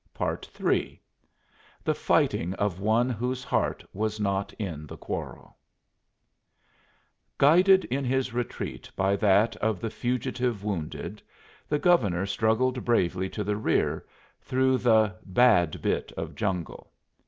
III THE FIGHTING OF ONE WHOSE HEART WAS NOT IN THE QUARREL Guided in his retreat by that of the fugitive wounded, the Governor struggled bravely to the rear through the "bad bit of jungle."